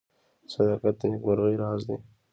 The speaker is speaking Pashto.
• صداقت د نیکمرغۍ راز دی.